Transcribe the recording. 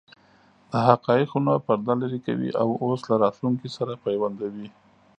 د حقایقو نه پرده لرې کوي او اوس له راتلونکې سره پیوندوي.